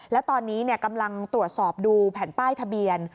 แล้วตอนนี้กำลังตรวจสอบดูแผ่นป้ายทะเบียน